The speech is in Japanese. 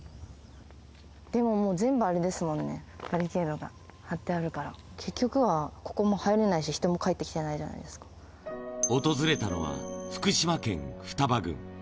でももう、全部あれですもんね、バリケードが張ってあるから、結局はここも入れないし、人も帰訪れたのは、福島県双葉郡。